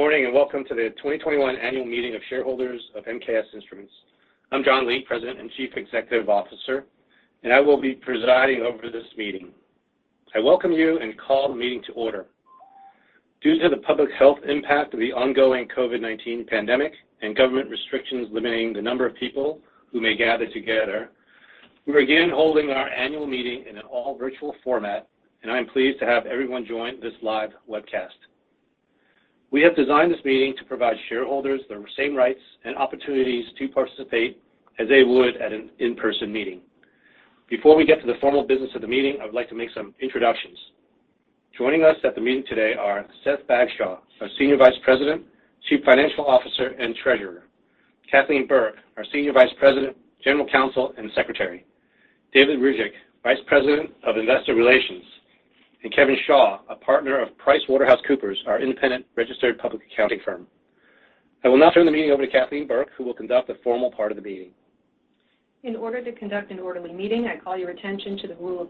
Morning, welcome to the 2021 annual meeting of shareholders of MKS Instruments. I'm John Lee, President and Chief Executive Officer, and I will be presiding over this meeting. I welcome you and call the meeting to order. Due to the public health impact of the ongoing COVID-19 pandemic and government restrictions limiting the number of people who may gather together, we are again holding our annual meeting in an all virtual format, and I am pleased to have everyone join this live webcast. We have designed this meeting to provide shareholders the same rights and opportunities to participate as they would at an in-person meeting. Before we get to the formal business of the meeting, I would like to make some introductions. Joining us at the meeting today are Seth Bagshaw, our Senior Vice President, Chief Financial Officer, and Treasurer. Kathleen Burke, our Senior Vice President, General Counsel, and Secretary. David Ryzhik, Vice President of Investor Relations, and Kevin Shaw, a Partner of PricewaterhouseCoopers, our independent registered public accounting firm. I will now turn the meeting over to Kathleen Burke, who will conduct the formal part of the meeting. In order to conduct an orderly meeting, I call your attention to the rules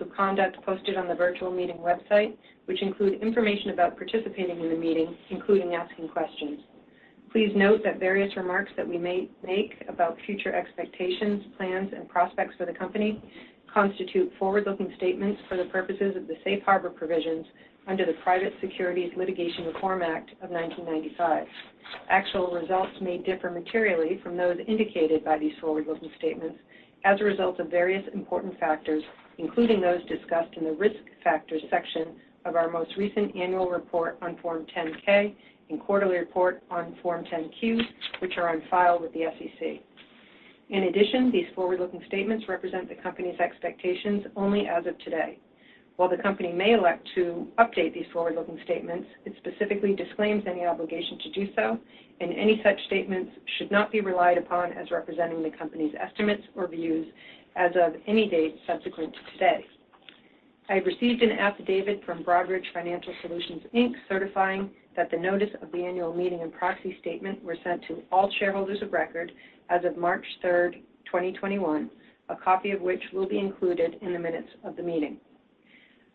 of conduct posted on the virtual meeting website, which include information about participating in the meeting, including asking questions. Please note that various remarks that we may make about future expectations, plans, and prospects for the company constitute forward-looking statements for the purposes of the safe harbor provisions under the Private Securities Litigation Reform Act of 1995. Actual results may differ materially from those indicated by these forward-looking statements as a result of various important factors, including those discussed in the risk factors section of our most recent annual report on Form 10-K and quarterly report on Form 10-Q, which are on file with the SEC. In addition, these forward-looking statements represent the company's expectations only as of today. While the company may elect to update these forward-looking statements, it specifically disclaims any obligation to do so, and any such statements should not be relied upon as representing the company's estimates or views as of any date subsequent to today. I have received an affidavit from Broadridge Financial Solutions Inc., certifying that the notice of the annual meeting and proxy statement were sent to all shareholders of record as of March 3rd, 2021, a copy of which will be included in the minutes of the meeting.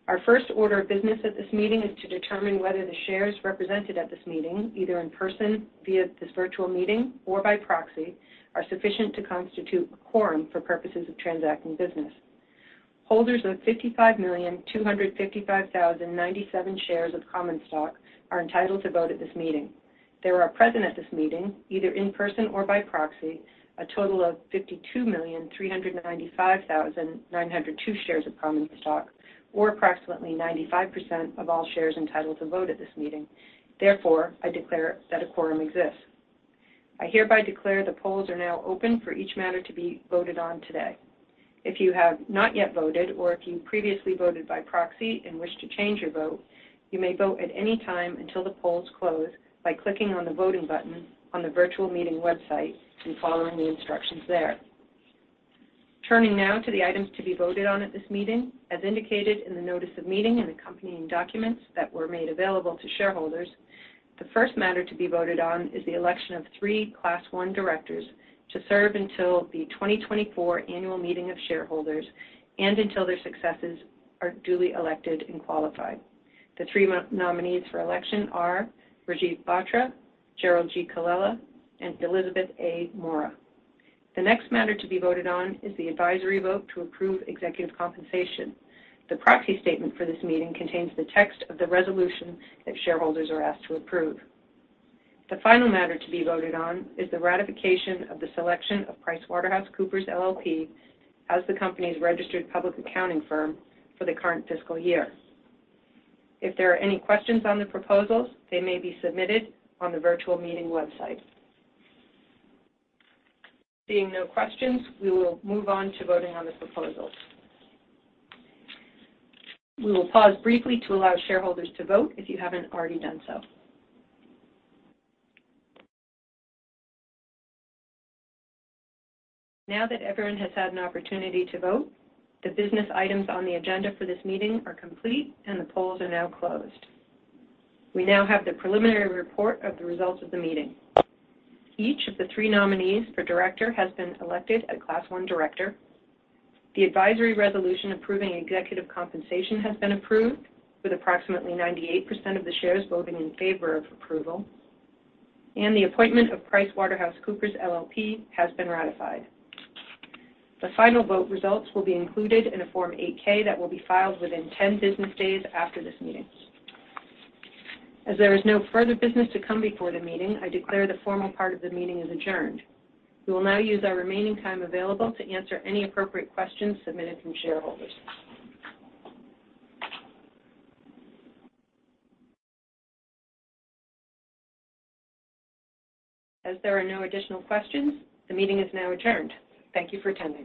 Our first order of business at this meeting is to determine whether the shares represented at this meeting, either in person, via this virtual meeting, or by proxy, are sufficient to constitute a quorum for purposes of transacting business. Holders of 55,255,097 shares of common stock are entitled to vote at this meeting. There are present at this meeting, either in person or by proxy, a total of 52,395,902 shares of common stock, or approximately 95% of all shares entitled to vote at this meeting. Therefore, I declare that a quorum exists. I hereby declare the polls are now open for each matter to be voted on today. If you have not yet voted or if you previously voted by proxy and wish to change your vote, you may vote at any time until the polls close by clicking on the voting button on the virtual meeting website and following the instructions there. Turning now to the items to be voted on at this meeting. As indicated in the notice of meeting and accompanying documents that were made available to shareholders, the first matter to be voted on is the election of three Class I directors to serve until the 2024 annual meeting of shareholders and until their successors are duly elected and qualified. The three nominees for election are Rajeev Batra, Gerald G. Colella, and Elizabeth A. Mora. The next matter to be voted on is the advisory vote to approve executive compensation. The proxy statement for this meeting contains the text of the resolution that shareholders are asked to approve. The final matter to be voted on is the ratification of the selection of PricewaterhouseCoopers LLP as the company's registered public accounting firm for the current fiscal year. If there are any questions on the proposals, they may be submitted on the virtual meeting website. Seeing no questions, we will move on to voting on the proposals. We will pause briefly to allow shareholders to vote if you haven't already done so. Now that everyone has had an opportunity to vote, the business items on the agenda for this meeting are complete, and the polls are now closed. We now have the preliminary report of the results of the meeting. Each of the three nominees for director has been elected a Class I director. The advisory resolution approving executive compensation has been approved, with approximately 98% of the shares voting in favor of approval, and the appointment of PricewaterhouseCoopers LLP has been ratified. The final vote results will be included in a Form 8-K that will be filed within 10 business days after this meeting. As there is no further business to come before the meeting, I declare the formal part of the meeting is adjourned. We will now use our remaining time available to answer any appropriate questions submitted from shareholders. As there are no additional questions, the meeting is now adjourned. Thank you for attending.